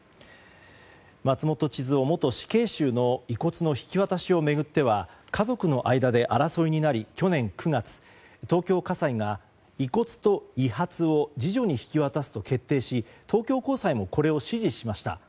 松本元死刑囚の遺骨の引き渡しを巡っては家族の間で争いになり去年９月、東京家裁が遺骨と遺髪を次女に引き渡すと決定し東京高裁もこれを支持しました。